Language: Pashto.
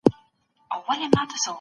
ټاکني څه ډول ترسره کیږي؟